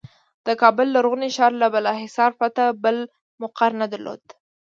د کابل لرغوني ښار له بالاحصار پرته بل مقر نه درلود.